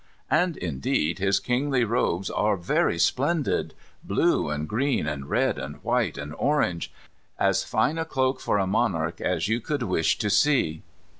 And indeed his kingly robes are very splendid blue, and green, and red, and white, and orange as fine a cloak for a monarch as you could wish to see.